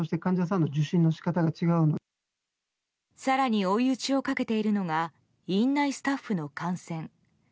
更に追い打ちをかけているのが院内スタッフの感染。